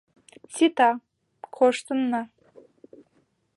— Сита, коштынна!